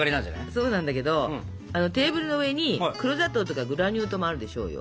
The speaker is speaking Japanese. そうなんだけどテーブルの上に黒砂糖とかグラニュー糖もあるでしょうよ？